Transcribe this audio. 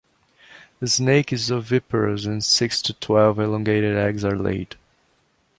The snake is oviparous and six to twelve elongated eggs are laid.